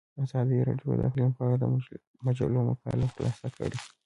ازادي راډیو د اقلیم په اړه د مجلو مقالو خلاصه کړې.